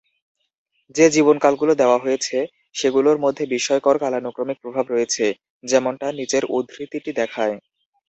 যে-জীবনকালগুলো দেওয়া হয়েছে, সেগুলোর মধ্যে বিস্ময়কর কালানুক্রমিক প্রভাব রয়েছে, যেমনটা নীচের উদ্ধৃতিটি দেখায়।